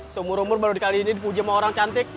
semuruh umur baru dikali ini dipuji sama orang cantik